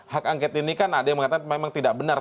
hak angket ini kan ada yang mengatakan memang tidak benar